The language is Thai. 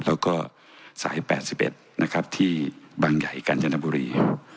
แล้วก็สาย๘๑นะครับที่บางใหญ่กัญจนบุรี